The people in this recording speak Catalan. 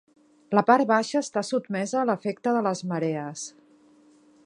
La part baixa està sotmesa a l'efecte de les marees.